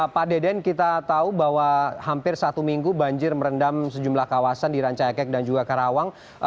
pak deden kita tahu bahwa hampir satu minggu banjir merendam sejumlah kawasan di ranca ekek dan juga karawang